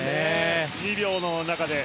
２秒の中で。